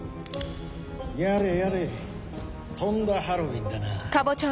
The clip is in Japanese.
やれやれとんだハロウィンだな。